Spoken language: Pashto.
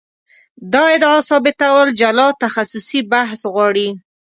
دا ادعا ثابتول جلا تخصصي بحث غواړي.